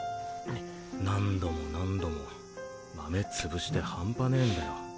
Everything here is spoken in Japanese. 何度も何度もマメ潰して半端ねぇんだよ